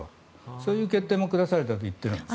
そういう決定も下されたと言ってるんです。